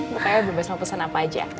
pokoknya bebas mau pesan apa aja